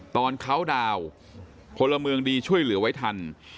ตอนเขาดาวน์พลเมืองดีช่วยเหลือไว้ทัน